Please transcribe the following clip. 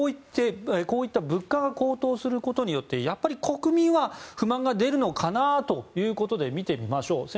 こういった物価が高騰することによって国民は不満が出るのかなということで見てみましょう。